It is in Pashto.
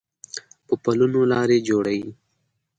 په پلونو لار جوړوي